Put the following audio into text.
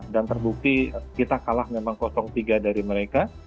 dan terbukti kita memang kalah tiga dari mereka